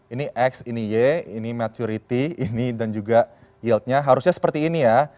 ini x ini y ini maturity ini dan juga yieldnya harusnya seperti ini ya